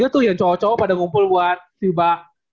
tuh yang cowok cowok pada ngumpul buat fiba